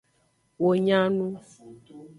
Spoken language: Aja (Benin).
Wo nya nu.